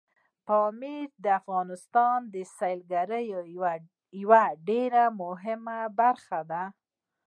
پامیر د افغانستان د سیلګرۍ یوه ډېره مهمه برخه ده.